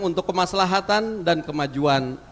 untuk kemaslahatan dan kemajuan